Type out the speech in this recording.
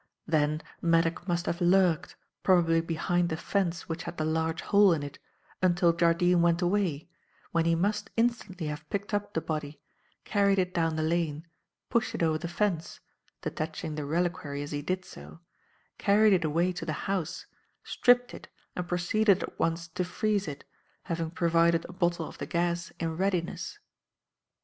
Then Maddock must have lurked, probably behind the fence which had the large hole in it, until Jardine went away, when he must instantly have picked up the body, carried it down the lane, pushed it over the fence detaching the reliquary as he did so carried it away to the house, stripped it and proceeded at once to freeze it, having provided a bottle of the gas in readiness.